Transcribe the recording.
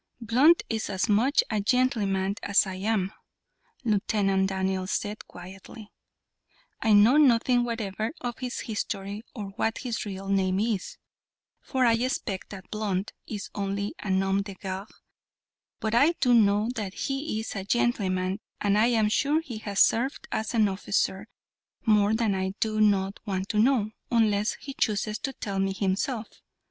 "Blunt is as much a gentleman as I am," Lieutenant Daniels said, quietly. "I know nothing whatever of his history or what his real name is, for I expect that Blunt is only a nom de guerre, but I do know that he is a gentleman, and I am sure he has served as an officer. More than that I do not want to know, unless he chooses to tell me himself.